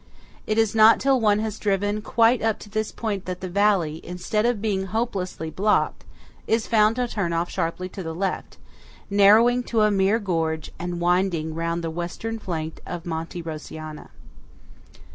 It is not till one has driven quite up to this point that the valley, instead of being hopelessly blocked, is found to turn off sharply to the left, narrowing to a mere gorge, and winding round the western flank of Monte Rosiana.